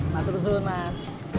mas rusun mas